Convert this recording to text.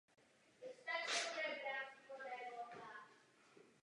Věznici pravidelně navštěvují zástupci církví a Armády spásy.